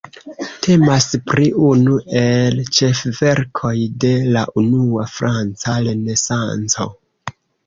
Temas pri unu el ĉefverkoj de la unua franca Renesanco.